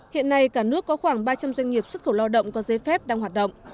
hiện nay cả nước có khoảng ba trăm linh doanh nghiệp xuất khẩu lao động có giấy phép đang hoạt động